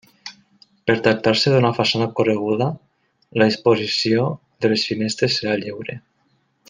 Per tractar-se d'una façana correguda la disposició de les finestres serà lliure.